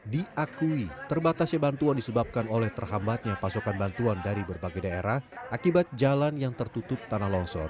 diakui terbatasnya bantuan disebabkan oleh terhambatnya pasokan bantuan dari berbagai daerah akibat jalan yang tertutup tanah longsor